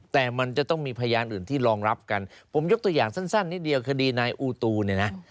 แต่มันจะต้องมีพยานอื่นที่รองรับกันผมยกตัวอย่างสั้นนิดเดียวคดีนายอูตูเนี่ยนะ